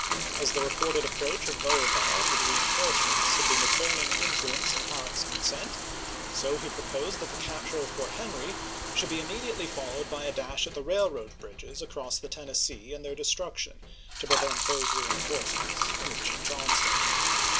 As the reported approach of Beauregard with reenforcements had been the turning influence in Halleck's consent, so he proposed that the cap ture of Fort Henry should be immediately followed by a dash at the railroad bridges across the Ten ^oranl*" nessee and their destruction, to prevent those reen uii^'w^. forcements from reaching Johnston.